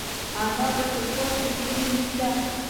انا د تلپاتې مینې نوم دی